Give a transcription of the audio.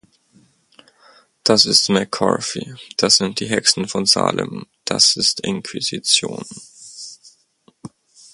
Das ist McCarthy, das sind die Hexen von Salem, das ist Inquisition!!!